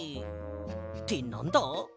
ってなんだ？